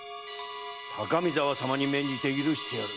高見沢様に免じて許してやる。